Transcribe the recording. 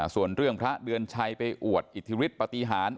ส่วนเรื่องพระเดือนชัยไปอวดอิทธิฤทธิปฏิหาร